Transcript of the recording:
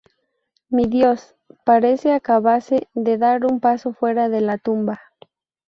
Mi Dios, parece acabase de dar un paso fuera de la tumba.